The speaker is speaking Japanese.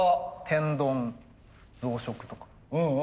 天丼増殖とか。